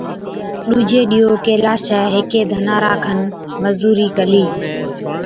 ڏُوجي ڏِيئو ڪيلاشَي هيڪي ڌنارا کن مزُورِي ڪلِي،